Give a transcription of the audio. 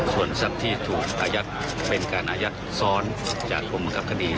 ส่วนสักที่ถูกอายัดเป็นการอายัดซ้อนจากธรรมกับคดี